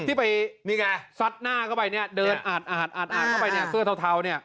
ที่ไปนี่ไงซัดหน้าเข้าไปเนี้ยเดินอาดอาดอาดอาดอาดเข้าไปเนี้ยเฟือเทาเทาเนี้ย